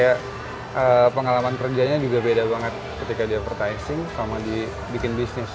ya pengalaman kerjanya juga beda banget ketika di apportising sama di bikin bisnis